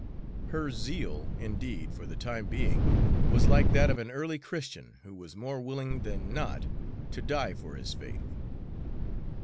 Her zeal, indeed, for the time being was like that of an early Christian, who was more willing than not to die for his faith.